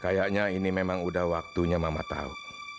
kayaknya ini memang udah waktunya mama tahu